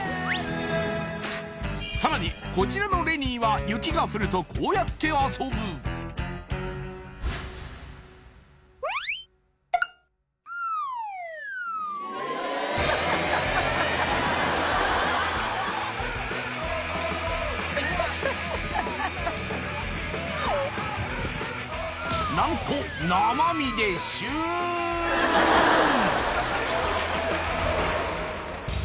さらにこちらのレニーは雪が降るとこうやって遊ぶ何と生身でシューン！